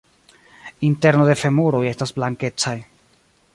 Interno de femuroj estas blankecaj.